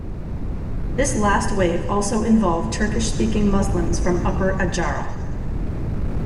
This last wave also involved Turkish-speaking Muslims from Upper Adjara.